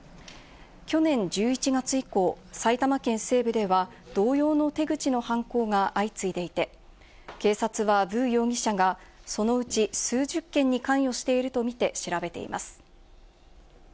去年１１月以降、埼玉県西部では同様の手口の犯行が相次いでいて、警察はヴ容疑者がそのうち数十件に関与しているとみて調べています。